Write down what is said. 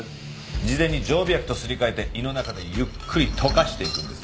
事前に常備薬とすり替えて胃の中でゆっくり溶かしていくんです。